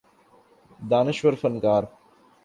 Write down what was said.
دانشور فنکار